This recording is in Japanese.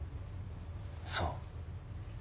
そう。